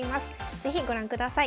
是非ご覧ください。